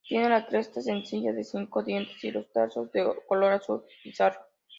Tiene la cresta sencilla de cinco dientes y los tarsos de color azul pizarra.